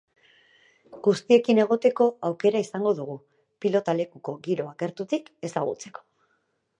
Guztiekin egoteko aukera izango dugu, pilotalekuko giroa gertutik ezagutzeko.